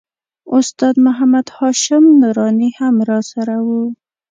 استاد محمد هاشم نوراني هم راسره و.